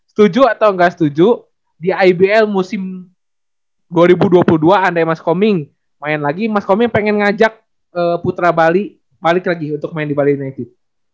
setuju atau nggak setuju di ibl musim dua ribu dua puluh dua andai mas koming main lagi mas kommi pengen ngajak putra bali balik lagi untuk main di bali united